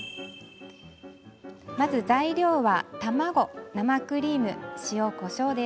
まず材料は卵生クリーム塩こしょうです。